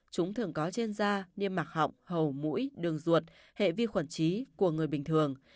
chúng thường có trên da niêm mạc họng hầu mũi đường ruột hệ vi khuẩn trí của người bình thường